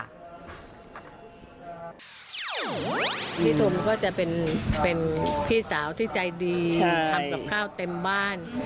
พี่ทุมก็จะเป็นพี่สาวที่ใจดีทำกับข้าวเต็มบ้าน